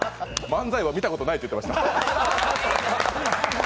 漫才は見たことないって言ってました。